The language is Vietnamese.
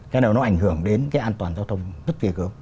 cái đó nó ảnh hưởng đến cái an toàn giao thông rất kỳ cực